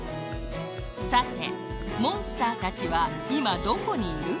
さてモンスターたちはいまどこにいる？